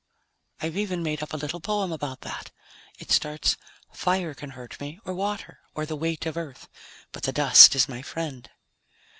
"I've even made up a little poem about that. It starts, 'Fire can hurt me, or water, or the weight of Earth. But the dust is my friend.'